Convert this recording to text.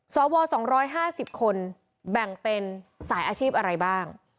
สว๒๕๐คนแบ่งเป็นสายอาชีพอะไรบ้าง